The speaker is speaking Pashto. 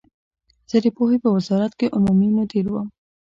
زه د پوهنې په وزارت کې عمومي مدیر وم.